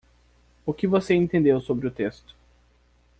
O que você entedeu sobre o texto?